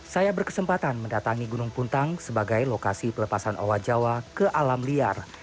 saya berkesempatan mendatangi gunung puntang sebagai lokasi pelepasan owa jawa ke alam liar